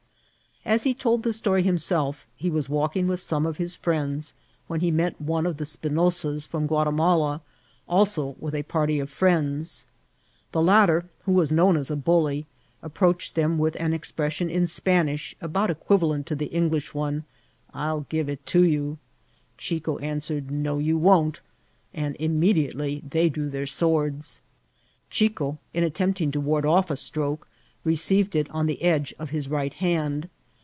As he told the story himself, he was walking with some of his friends, when he met one of the Spinosas from Guatimala, also with a party of friends. The lat ter, who was known as a bully, approached them with an expression in Spanish about equivalent to the Eng« lish one, " I'll give it to you." Chico answered, " No you won't," and immediately they drew their swords. Chico, in attempting to ward off a stroke, received it on the edge of his right hand.